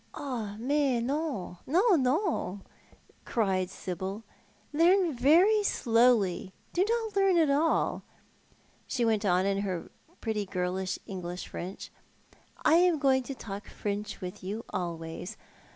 " Oh, mais non, non, non, cried Sibyl, " learn very slowly ; do not learn at all," she wont on in her pretty girlish English French. " I am going to talk French with you always.